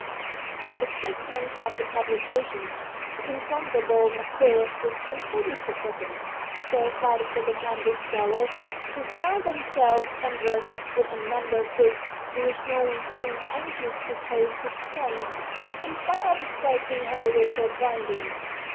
But six months after publication "The Improbable Marquis " was completely forgotten, save by the second hand booksellers, who found them selves embarrassed with a number of books for which no one seemed anxious to pay six pence, in spite of the striking heliotrope binding.